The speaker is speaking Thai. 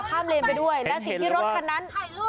เลนไปด้วยและสิ่งที่รถคันนั้น